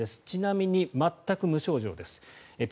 ちなみに全く無症状です。